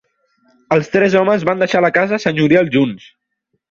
Els tres homes van deixar la casa senyorial junts.